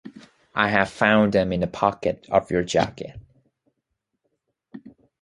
I have found them in the pocket of your jacket